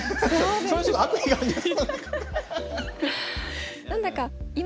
それはちょっと悪意があるんじゃ。